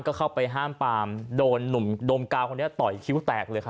ก็เข้าไปห้ามปามโดนหนุ่มโดมกาวคนนี้ต่อยคิ้วแตกเลยค่ะ